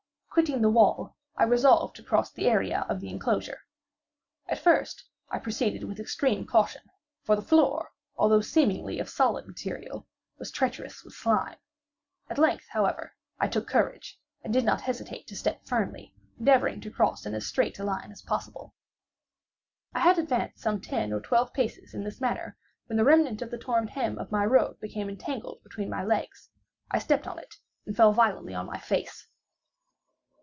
Quitting the wall, I resolved to cross the area of the enclosure. At first I proceeded with extreme caution, for the floor, although seemingly of solid material, was treacherous with slime. At length, however, I took courage, and did not hesitate to step firmly; endeavoring to cross in as direct a line as possible. I had advanced some ten or twelve paces in this manner, when the remnant of the torn hem of my robe became entangled between my legs. I stepped on it, and fell violently on my face.